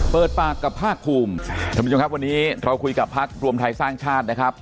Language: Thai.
เปิดปากกับภาคภูมิท่านผู้ชมครับวันนี้เราคุยกับพักรวมไทยสร้างชาตินะครับ